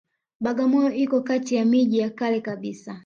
Bagamoyo iko kati ya miji ya kale kabisa